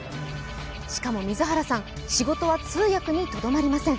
しかも水原さん、仕事は通訳にとどまりません。